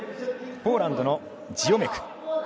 ポーランドのジオメク。